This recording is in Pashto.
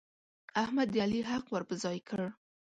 احمد د علي حق ور پر ځای کړ.